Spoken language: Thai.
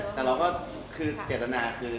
แต่เราก็คือเจตนาคือ